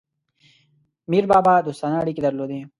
میربابا دوستانه اړیکي درلودل.